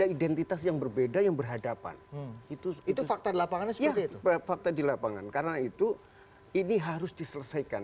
itu itu fakta lapangan sepertinya berpaktek di lapangan karena itu ini harus diselesaikan